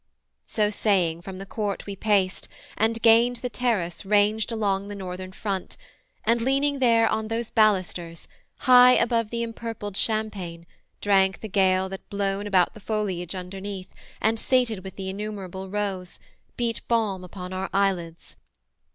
So saying from the court we paced, and gained The terrace ranged along the Northern front, And leaning there on those balusters, high Above the empurpled champaign, drank the gale That blown about the foliage underneath, And sated with the innumerable rose, Beat balm upon our eyelids.